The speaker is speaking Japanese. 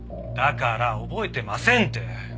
だから覚えてませんって。